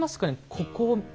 ここ。